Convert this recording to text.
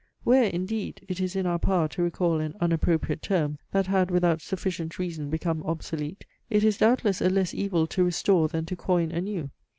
Where, indeed, it is in our power to recall an unappropriate term that had without sufficient reason become obsolete, it is doubtless a less evil to restore than to coin anew.